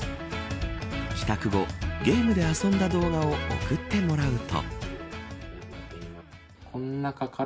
帰宅後、ゲームで遊んだ動画を送ってもらうと。